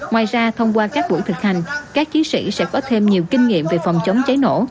ngoài ra thông qua các buổi thực hành các chiến sĩ sẽ có thêm nhiều kinh nghiệm về phòng chống cháy nổ